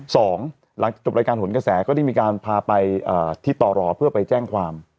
หลังจากจบรายการหนกระแสก็ได้มีการพาไปที่ต่อรอเพื่อไปแจ้งความ